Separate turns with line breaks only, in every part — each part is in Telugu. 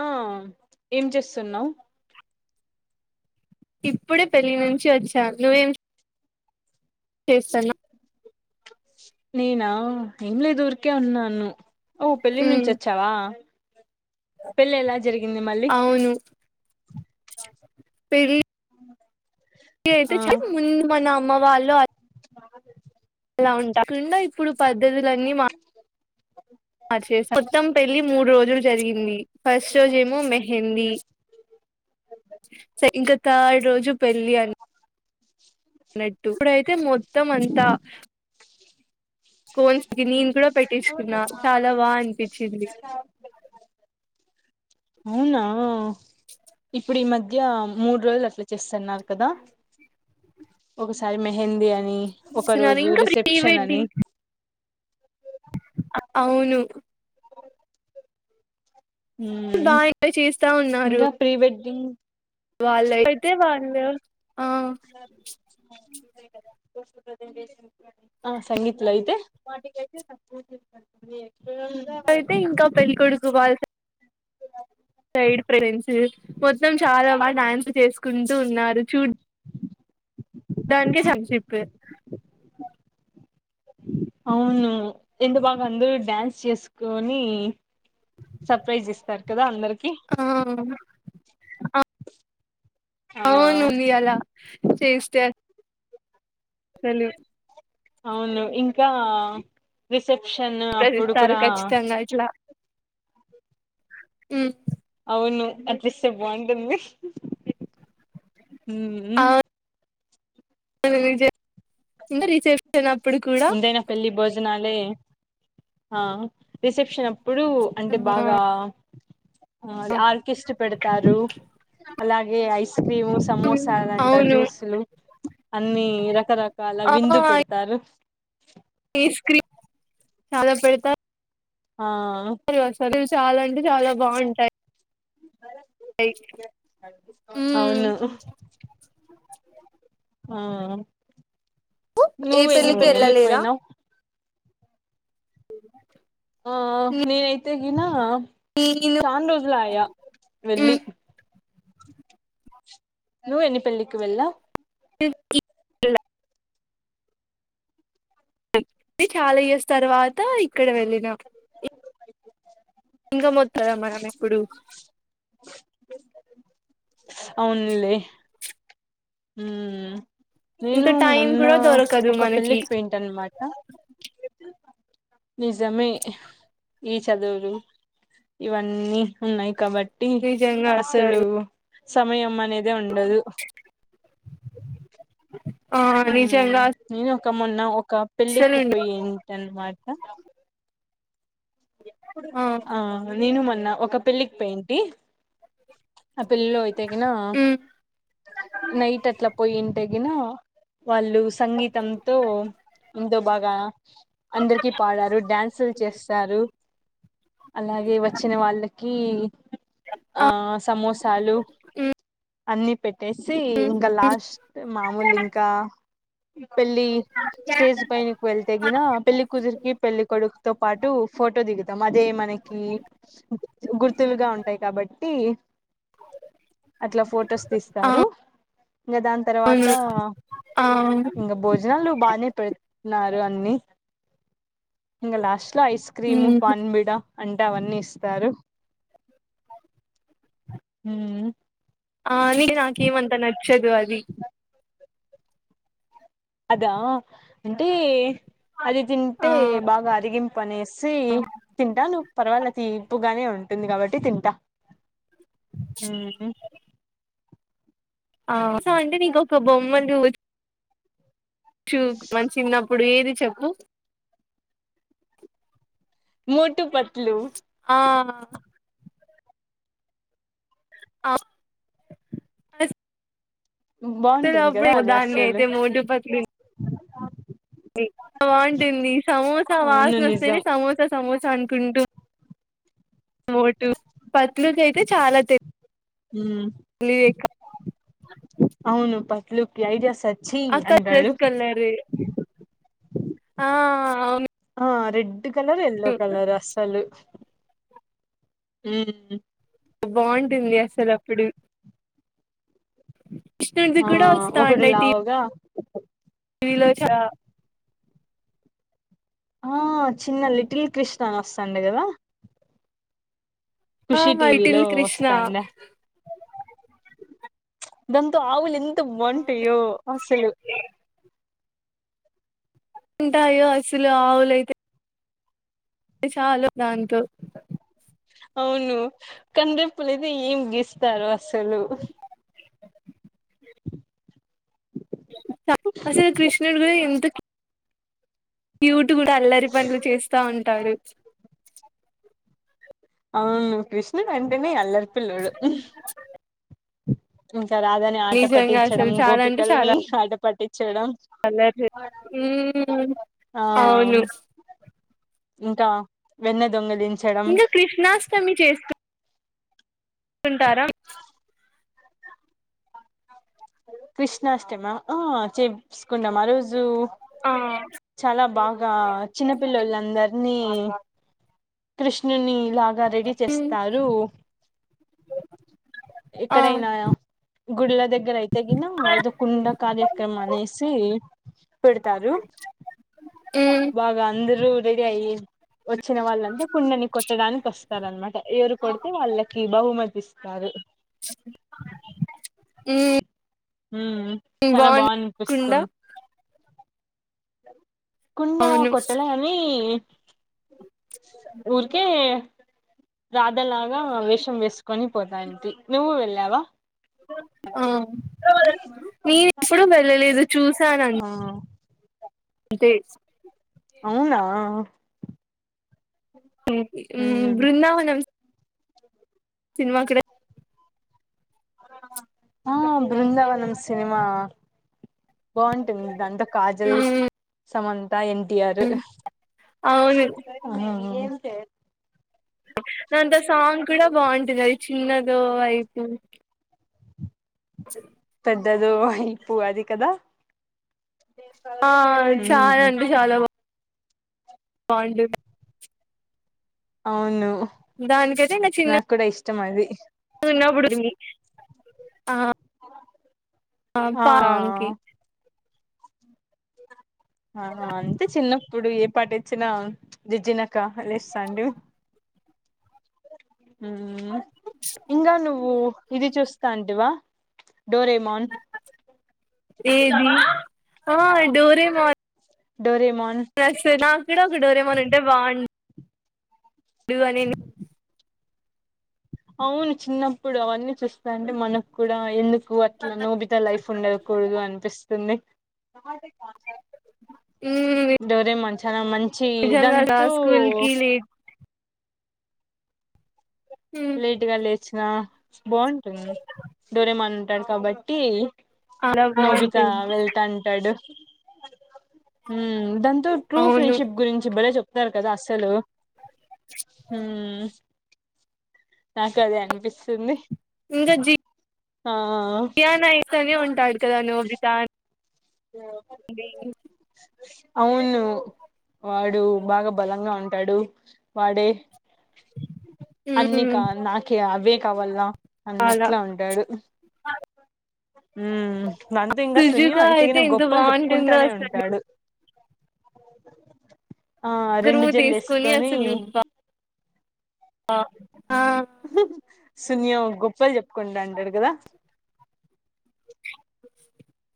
ఆ ఏం చేస్తున్నవ్
ఇప్పుడే పెళ్ళి నుంచి వచ్చా నువ్వేం చే చేస్తనావు
నేనా ఏం లేదు ఊరికే ఉన్నాను. ఓ పెళ్ళి నుంచి
ఉమ్
వచ్చావా! పెళ్లి ఎలా జరిగింది మళ్ళీ
అవును తే
ఆ
చముందు ఉన్నం [unintelligible] మా వాళ్ళు ఆ ఉంట ఇప్పుడు పద్ధతులన్నీ మ మొత్తం పెళ్లి మూడు రోజులు జరిగింది. ఫస్ట్ రోజు ఏమో మెహందీ. సెకన్ ఇంకా థర్డ్ రోజు పెళ్లి అని ఇప్పుడయితే మొత్తం అంతా కోన్స్ కి నేన్ కూడా పెట్టించుకున్నా చాలా బా అనిపించింది.
అవునా ఇప్పుడి ఈ మధ్య యా ఆ మూడు రోజులు అట్లా చేస్తున్నారు కదా ఒకసారి మెహందీ అని నీ ఒక
స్తున్నారు
రోజు
ఇంకా ప్రీ
రిసెప్షన్ అని
వెడ్డింగ్ అవును
మ్మ్
బాగా ఎంజాయ్ చేస్తా ఉన్నారు
ఇమ్
వాళ్ళ అయితే వాళ్ళు ఆ
సత్ అంతే కదా పోస్ట్ ప్రజెంటేషన్ ఆ సంగీత్ల అయితే వాటికి అయితే తక్కువ
అయితే ఇంకా పెళ్ళికొడుకు వాల్ సైడ్ ప్రెన్స్ మొత్తం చాలా బాగా డ్యాన్స్ చేసుకుంట ఉన్నారు చూ దానికినికి సంశయిప
అవును ఎంత బాగా అందరుూ డ్యాన్స్ చేసుకొని సర్ప్రైజ్ ఇస్తారు కదా అందరికి
ఆ
ఆ
అవునుంది అలా చేస్త తెలి
అవును ఇంకా రిసెప్షన్ అప్పుడు కూడా
అ
అవును అది ఇస్తే బాగుంటుంది హ
జ వచ్చినప్పుడు కూడా
ర శినప్పుడు అంటే బాగా అదే ఆర్కిస్ట్ర పెడతారు అలాగే ఐస్ ఐస్ క్రీము సమోసాలంటా
అవును
జ్యూస్లు అన్ని రకరకాల
ఆ
విందు పెడతారు
[unintelligible] చాలా పెడతా
ఆ
ఒకసారి చాలా అంటే చాలా బాగుంటాయ్ మ్మ్
అవును ఆ
ఏ
నువ్వు
పెళ్ళికి
ఎన్నిపెల్లిళకి
వెళ్ళలేదా
పోయినావ్
అ
ఆఆ నేనైతేగిన
నేను
చాన్ రోజులు ఆయా వెళ్లి నువ్వు ఎన్ని పెళ్లికి వెళ్ళావ్
[inaudible] చాలా ఇయర్స్ తర్వాత ఇక్కడ వెళ్ళినా ఇంక మొత్తద మనం ఎప్పుడు
అవున్లే మ్మ్ నేను
ఇంకా టైం
మొన్న
కూడా దొరకదు
ఒక
మనకి
పెళ్ళికి పోయింటన్నమాట నిజమే ఈ చదువులు ఇవన్నీ ఉన్నాయి కాబట్టి
నిజంగా అసలు
సమయం మన్ అనేదే ఉండదు
ఆ నిజంగా
కమ లున్న ఒక్ కా
అసలు
పెళ్ళికి
ఉండదు
పోయింటన్నమాట ఆ నేను మొన్న ఒక పెళ్ళికి పోయింటి ఆ పెళ్లిలో అయితే గిన
ఉమ్
నైట్ అట్లా పోయి తెగిన వాళ్ళు సంగీతంతో ఎంతో బాగా అందరికి పాడారు డ్యాన్సులు చేస్తారు అలాగే వచ్చిన వాళ్ళకి మ్మ్ ఆ సమోసాలు అన్ని పెట్టేసి
ఉమ్
ఇంకా లాస్ట్ మామూలు ఇంకా పెళ్లి స్టేజ్ పైనకు వెళ్తేగిన పెళ్లి కుదురికి పెళ్లి కొడుకు తో పాటు ఫోట్ టో దిగుతమదే మనకి గుర్తులుగా ఉంటాయి కాబట్టి టి అట్లా ఫొటోస్ తీస్తారు ఇంకా దాని తర్వాత
అవును ఆ
ఇంకా భోజనాలు బానే పెడతన్నారు ఇగన్ని ఇంగ లాస్టులో అయి క్రీము
ఉమ్
పన్ బిడ అంటే అవన్నీ ఇస్తారు మ్మ్
ఆ నీ నాకేమంత నచ్చదు అది
అదా అంటే అది
ఆ
తింటే బాగా అరిగింపు పనేసి తింటాను పర్వాల తీపుగానే ఉన్ ఉంటుంది కాబట్టి తింటా ఉ హు
సో అంటే నీకు ఒక బొమ్మ చూ చుకు మన చిన్న ఇప్పుడు ఏది చెప్పు
మొటూ పత్లు
ఆ ఆ
బాగుంటుంది కదా
అప్పుడు ఒ
అది
దాన్నీ అయితే మోటు పత్లుని
దాన్
ఇ బాగుంటుంది సమోసా
అవును
వాసన వస్తేనే
నిజం
సమోసా సమోసా సానుకుంటు మోటు పత్లూ కు అయితే చాలా
ఉమ్
తెలు ఎక
లుకు లైడియ స
అక్క ఫ్రెష్ కలరి ఆ అవును
ఆ red red colour yellow colour అసలు ఉ
బాగుంటుంది అసలు అప్పుడు [inaudible]
ఆ
కూడా
ఒకటి
వస్తాండే
లావు గా
టీవీలో చాలా
ఆ చిన్న లిటిల్ కృష్ణని వస్తాండే కదా
ఆ
ఖుషి
మైటిల్
టీవీలో
కృష్ణ
వస్తాండ దాంతో ఆవులిన్ ఎంత
అవును
బాగుంటాయో అసలు
ఉంటాయో అసలు ఆవులైతే చాలు దాంతో
అవును కందే పులిది ఏం గిస్తారు అస సలు [inaudible]
తక్ అసలు కృష్ణుడు కూడా ఎంత క్యూ క్యూట్ కూడా అల్లరి పనులు చేస్తా ఉంటారు [inaudible]
ఆ కృష్ణుడంటేనే అల్లరి పిల్లోడు ఇనో అడిబుల్ ఇంకా రాదని ఆట
నిజంగా
పట్టించడం గోపికల్ని ఆట పట్టి
అల
ఆ
అవును
ఇంకా వెన్నె దొంగలిని
ఇంకా కృష్ణాష్టమి చేస్కున చకుంటారా
కృష్ణాష్టమ ఆ చేప్స్కుండమా రోజు జు
ఆ
చాలా బాగ్ కా చిన్న పిల్లలందరినీ కృష్ణని లాగా రెడీ
ఉమ్
చేస్తారు
ఆ
ఎక్కడైనా గుళ్ళ దగ్గర అయితేగిన ఏదో కుండ కార్యక్రమం అనేసి పెడతారు
ఉమ్
బాగా అందురూ రెడి అయ్యి వచ్చిన వాళ్ళంతా కుండని కొట్టడానికి వస్తార అనమాట ఎవరు కొడితే వాళ్ళకి బహుమతి ఇస్ కాదు
ఈ
హ చాలా బా
బాగుండకుండా
అనిపిస్తుంది ఇనోఅడిబుల్ కుండా
అవును
కొట్టలాని ఇనో అడిబుల్ ఉర్కే రాధలాగా వేషం వేసుకొని పోతాంటి నువ్వు వెళ్ళావా
ఆ నేను ఎప్పుడు వెళ్ళలేదు చూసానని
ఆ
[unintelligible]
అవునా ఉమ్
బృందావనం సినిమా అకడె
ఆ బృందవనం సినిమా బాగుంటుంది దాంతో కాజల్
ఉమ్
సమంత ఎన్టీఆర్
అవును
త్
రాందస్ సాంగ్ కూడా బాగుంటది అది చిన్న దో అయిపోయిం
దాదో ఇపుూ అది కదా
ఆ చాలా అండి చాలా బా పాయింట్
అవును
దానికయితే ఇంకా చిన్న
ఇష్టమది
విన్నప్పుడు అ ఆ పాదానికి
ఆహా అంతే చిన్నప్పుడు ఏ పాట ఇచ్చినా జిజినక్క అనె సండ్ మ్ ఇంకా నువ్వు మ్ ఇది చూస్తా అంటివే డోరేమాన్
ఏది డోరేమాన్
డోరేమాన్
ప్లస్ నాక్కూడా ఒక డోరేమాన్ ఉంటే బాగుం ఇ అని
అవును చిన్నప్పుడు అవన్నీ చూస్తా అంటి మనం కూడా ఎందుకు అట్లా నోబితా లైఫ్ ఉండకూడదు అనిపిస్ సండే డోరే మంచి చాలా మంచి
నిజంగానా
దాంతో
స్కూల్ కి లేట్
లేటుగా లేసి అ బాగుంటుంది డోరేమన్ ఉంటాడు కబట్టి టీ
అలా
నోబితా
బాగుంటుంది
వెళ్తాంటాడు దాంతో ట్రూ
అవును
ఫ్రెండ్షిప్ గురించి భలే చెప్పు తారు కదా అసలు హ నాకు అదే అనిపిస్తుంది
ఇంకా జీ
ఆ
ఇకడే ఉంటాయ్ అని.
అవును వాడు బాగా బలంగా ఉంటాడు వాడే
ఉమ్
అన్నక నాకే అ బేక్ అవల్నా
అలా
అన్నట్లా ఉంటాడు ఉమ్ ఆంథే ఇంకా సున్యు
సుజుకా
అయితే ఇ
ఎంత
గొప్పలు
బాగుంటుందో
చెప్పుకుంటానే
అసలు
ఉంటాడు ఆ రెండు
గురువు
జల్లు
తీసుకుని
వేసుకొని
ఆ
హు హు సున్యం గొప్పల్ చెపుకుంటంటాడు అంటాడు కదా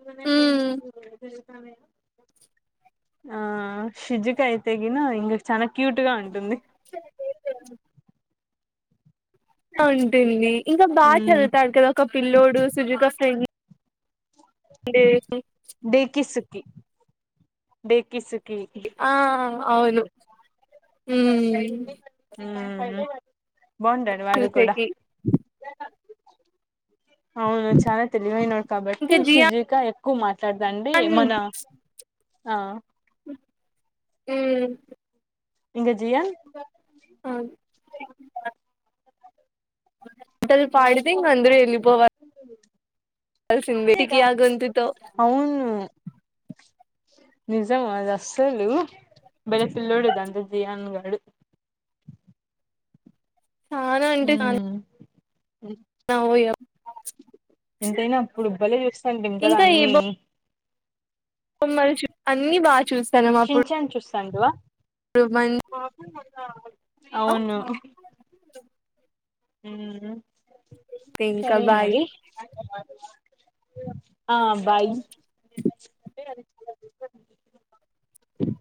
ఎమయినా
ఉమ్
ట్రైనింగ్ జార్ ఆ షిజుక అయితే గిన హింగ చన క్యూట్ గా ఉంటుంది
ఉంటంది ఇంకా బాగా
ఉమ్
చదువుతాడు కదా ఒక పిల్లోడు సుజుకా ఫ్రెండ్
డీకిీసుకి డీకిీసు
ఆ అవును ఉమ్ ఉమ్
ఉమ్ ఉ బాగుంటాడు వాడు కూడా
చూసేకి
అవును చనా తెలివై నోడ్ కాబట్టి
ఇంకా జియాన్
శిజిక ఎ కుమార్ లాడదండి మన ఆ
ఉమ్
ఇంగ జయన్
అ గుల్లె ప్యాట్ల్ పడితే అందరూ ఎల్లిపోవాలి కసింద బేటికి ఆగొంతుతో
అవును నిజం ఆది అసలు బల ఫిల్లోడు దంత జియన్ గా డు
చానా అంటే
హమ్ హు
ఓయా
ఎంతైనా ఇప్పుడుబ్బలే చూస్త అండి ఇంకా దన్నీ
మరిష్ అన్ని బాగా చూస్తాము అప్పుడు
కండు
మం
అవును హమ్
ఇంకా
సరే
బాయ్
మరీ ఆ బాయ్ ఇంకా చెప్పు అది చాలా డిఫరెంట్ గా ఉంది